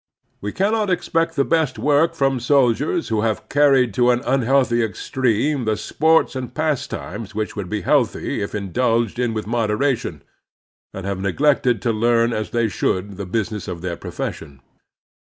We cannot expect the best work from soldiers who have carried to an unhealthy extreme the sports and pastimes which would be healthy if indulged in with moderation, and have neglected to leam as they should the business of their profession.